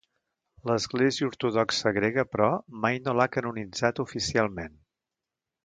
L'Església Ortodoxa Grega, però, mai no l'ha canonitzat oficialment.